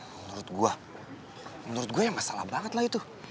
menurut gue menurut gue ya masalah banget lah itu